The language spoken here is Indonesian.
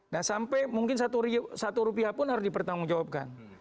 nah sampai mungkin satu rupiah pun harus dipertanggungjawabkan